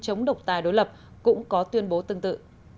chống độc tài đối lập cũng có tuyên bố tương tự